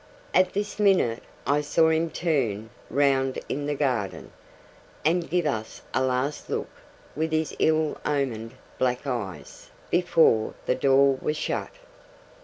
At this minute I see him turn round in the garden, and give us a last look with his ill omened black eyes, before the door was shut.